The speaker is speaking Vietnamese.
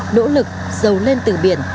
nỗ lực dấu lên từ biển